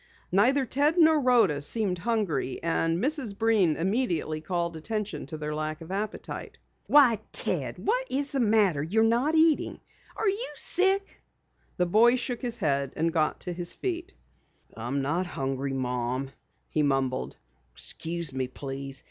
Neither Ted nor Rhoda seemed hungry, and Mrs. Breen immediately called attention to their lack of appetite. "Why, Ted! What's the matter you're not eating? Are you sick?" The boy shook his head and got to his feet. "I'm not hungry, Mom," he mumbled. "Excuse me, please.